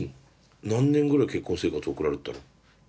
何年ぐらい結婚生活送られてたの？